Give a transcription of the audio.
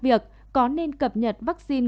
việc có nên cập nhật vaccine